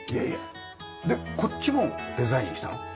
でこっちもデザインしたの？